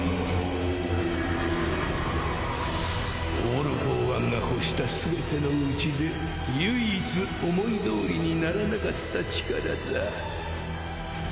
オール・フォー・ワンが欲した全ての内で唯一思い通りにならなかった力だ